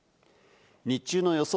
日中の予想